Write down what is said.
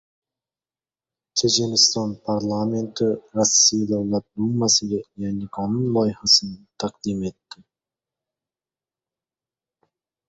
Checheniston parlamenti Rossiya Davlat Dumasiga yangi qonun loyihasini taqdim etdi